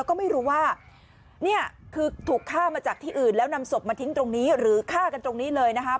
คือถูกฆ่ามาจากที่อื่นแล้วนำศพมาทิ้งตรงนี้หรือฆ่ากันตรงนี้เลยนะครับ